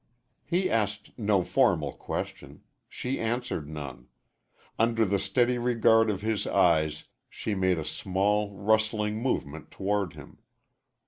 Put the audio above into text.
He asked no formal question. She answered none. Under the steady regard of his eyes she made a small, rustling movement toward him.